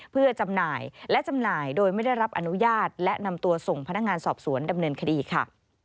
เพื่อจำหน่ายและจำหน่ายโดยไม่ได้รับอนุญาตและนำตัวส่งพนักงานสอบสวนดำเนินคดีค่ะ